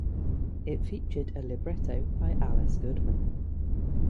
It featured a libretto by Alice Goodman.